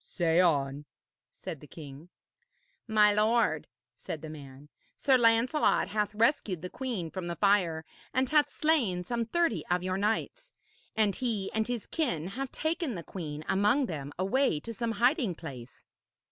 'Say on,' said the king. 'My lord,' said the man, 'Sir Lancelot hath rescued the queen from the fire and hath slain some thirty of your knights, and he and his kin have taken the queen among them away to some hiding place.'